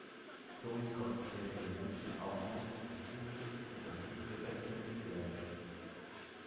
Somit konnten sehr viele Menschen auch nicht durch Flugschriften oder Flugblätter informiert werden.